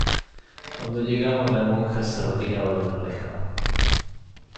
cuando llegamos la monja se retiraba de la reja: